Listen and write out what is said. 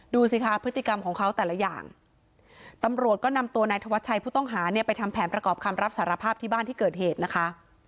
ดูสิค่ะพฤติกรรมของเขาแต่ละอย่างตำรวจก็นำตัวนายธวัชชัยผู้ต้องหาเนี่ยไปทำแผนประกอบคำรับสารภาพที่บ้านที่เกิดเหตุนะคะ